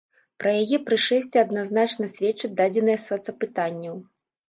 Пра яе прышэсце адназначна сведчаць дадзеныя сацапытанняў.